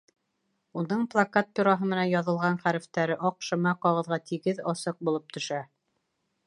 Уның плакат пероһы менән яҙылған хәрефтәре аҡ шыма ҡағыҙға тигеҙ, асыҡ булып төшә.